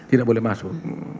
tidak boleh masuk